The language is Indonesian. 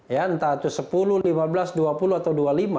ya entah itu sepuluh lima belas dua puluh atau dua puluh lima